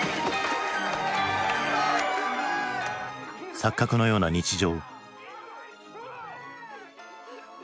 錯覚のような日常。